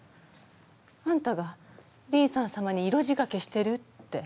あんたがリンサン様に色仕掛けしてるって。